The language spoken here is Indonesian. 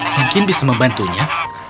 mungkin bisa membantunya